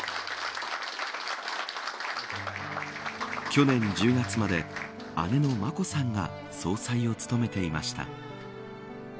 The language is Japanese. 去年１０月まで姉の眞子さんが総裁を務めていました。